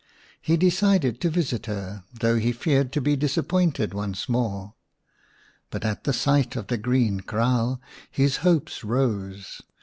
He decided to visit her, though he feared to be disappointed once more. But at the sight of the green kraal his hopes rose.